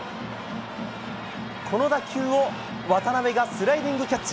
この打球を渡邉がスライディングキャッチ！